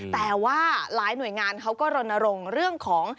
แต่ว่าหลายหน่วยงานเขาก็รณรงค์เรื่องของ